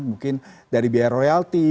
mungkin dari biaya royalti